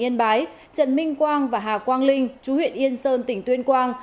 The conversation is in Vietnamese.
yên bái trần minh quang và hà quang linh chú huyện yên sơn tỉnh tuyên quang